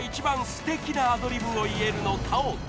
すてきなアドリブを言えるのかを競う］